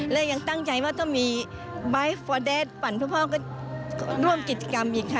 และยังตั้งใจว่าต้องมีไบท์ฟอเดสปั่นเพื่อพ่อก็ร่วมกิจกรรมอีกค่ะ